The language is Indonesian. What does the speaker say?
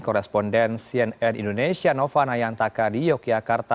koresponden cnn indonesia nova nayantaka di yogyakarta